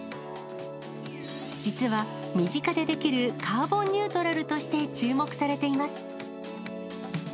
実は、身近でできるカーボンニュートラルとして注目されています。